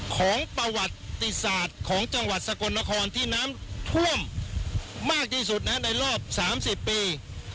ของประวัติศาสตร์ของจังหวัดสกลนครที่น้ำท่วมมากที่สุดในรอบ๓๐ปี